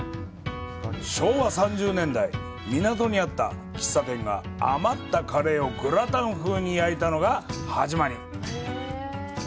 昭和３０年代、港にあった喫茶店が余ったカレーをグラタン風に焼いたのが始まり。